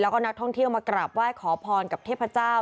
แล้วก็นักท่องเที่ยวมากราบไหว้ขอพรกับเทพเจ้า